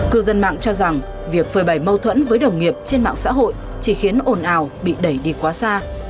cư dân mạng cho rằng việc phơi bày mâu thuẫn với đồng nghiệp trên mạng xã hội chỉ khiến ồn ào bị đẩy đi quá xa